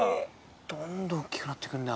どんどん大っきくなって行くんだ。